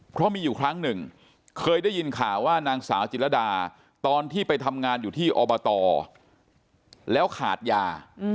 เพราะมีอยู่ครั้งหนึ่งเคยได้ยินข่าวว่านางสาวจิรดาตอนที่ไปทำงานอยู่ที่อบตแล้วขาดยา